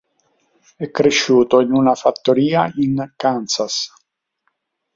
È cresciuto in una fattoria in Kansas.